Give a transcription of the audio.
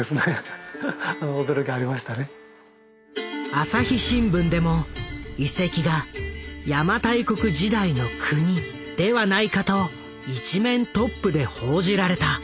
朝日新聞でも遺跡が「邪馬台国時代の『クニ』」ではないかと一面トップで報じられた。